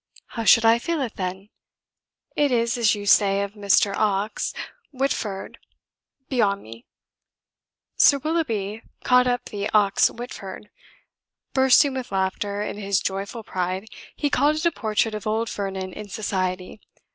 How should I feel it, then? It is, as you say of Mr. Ox Whitford, beyond me." Sir Willoughby caught up the Ox Whitford. Bursting with laughter in his joyful pride, he called it a portrait of old Vernon in society.